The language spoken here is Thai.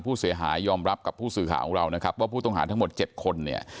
ผู้เสียหายยอมรับกับผู้สื่อข่าวของเรานะครับว่าผู้ต้องหาทั้งหมด๗คนเนี่ย